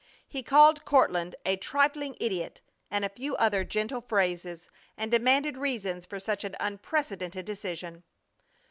He called Courtland a "trifling idiot," and a few other gentle phrases, and demanded reasons for such an unprecedented decision.